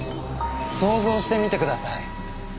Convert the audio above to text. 想像してみてください。